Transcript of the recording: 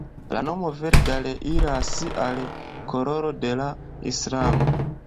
La nomo Verda reiras al koloro de la islamo.